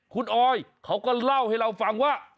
คุณออยเขาก็เล่าให้เราฟังว่า